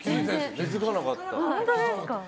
気づかなかった。